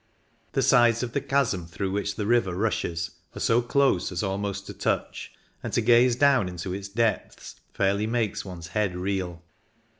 The sides of the chasm through which the river rushes are so close as almost to touch, and to gaze down into its depths fairly makes one's head reel.